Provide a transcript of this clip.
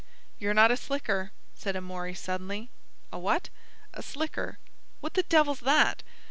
"You're not a slicker," said Amory suddenly. "A what?" "A slicker." "What the devil's that?"